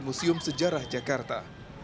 museum sejarah jakarta